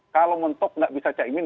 kalau mentok tidak bisa cairin